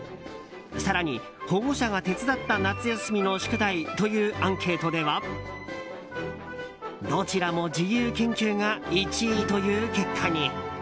更に、保護者が手伝った夏休みの宿題というアンケートではどちらも自由研究が１位という結果に。